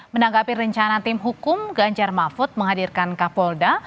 menanggapi rencana tim hukum ganjar mahfud menghadirkan kapolda